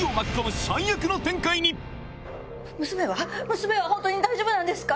娘は本当に大丈夫なんですか？